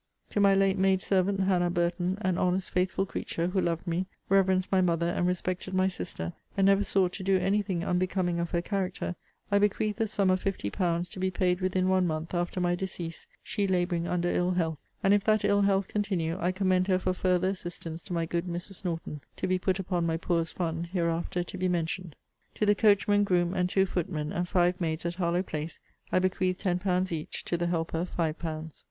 To my late maid servant, Hannah Burton, an honest, faithful creature, who loved me, reverenced my mother, and respected my sister, and never sought to do any thing unbecoming of her character, I bequeath the sum of fifty pounds, to be paid within one month after my decease, she labouring under ill health: and if that ill health continue, I commend her for farther assistance to my good Mrs. Norton, to be put upon my poor's fund, hereafter to be mentioned. To the coachman, groom, and two footmen, and five maids, at Harlowe place, I bequeath ten pounds each; to the helper five pounds.